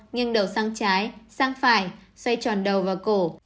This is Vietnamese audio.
nghiêng đầu sang trái sang phải xây tròn đầu vào cổ